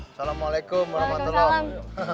assalamualaikum warahmatullahi wabarakatuh